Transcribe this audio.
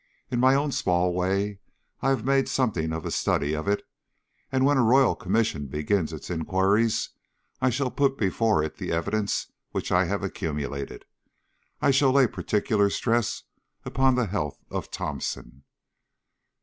In my own small way I have made something of a study of it, and when a Royal Commission begins its enquiries, I shall put before it the evidence which I have accumulated. I shall lay particular stress upon the health of Thomson.